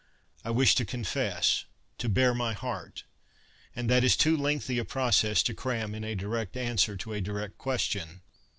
I wish to confess, to bare my heart. And that is too lengthy a process to cram in a direct answer to a direct question.